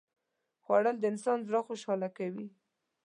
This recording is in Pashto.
خوړل د انسان زړه خوشاله کوي